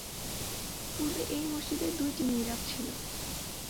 পূর্বে এই মসজিদে দুইটি মিহরাব ছিল।